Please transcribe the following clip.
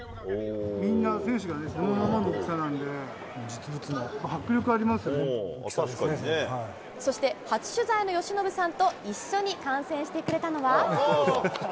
みんな選手がそのままの大きそして、初取材の由伸さんと一緒に観戦してくれたのは。